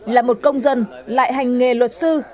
là một công dân lại hành nghề luật sư